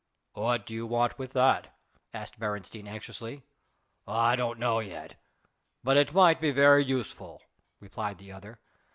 "What do you want with that?" asked Beresteyn anxiously. "I don't know yet, but it might be very useful," replied the other.